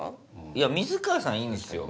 いや水川さんいいんですよ。